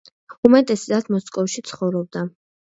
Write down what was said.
უმეტესწილად მოსკოვში ცხოვრობდა.